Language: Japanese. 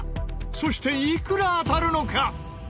そしていくら当たるのか？